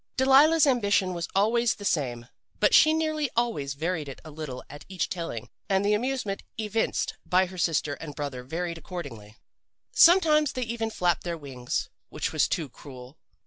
Delilah's ambition was always the same, but she nearly always varied it a little at each telling and the amusement evinced by her sister and brother varied accordingly. "Sometimes they even flapped their wings. "Which was too cruel.